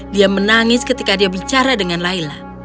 dia menangis ketika dia bicara dengan layla